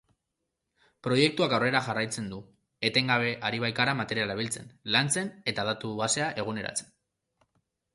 Proiektuak aurrera jarraitzen du, etengabe ari baikara materiala biltzen, lantzen eta datu-basea eguneratzen.